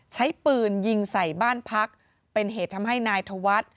ใช้ปืนยิงใส่บ้านพักเป็นเหตุทำให้นายธวัฒน์